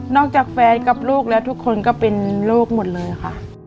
จากแฟนกับลูกแล้วทุกคนก็เป็นลูกหมดเลยค่ะ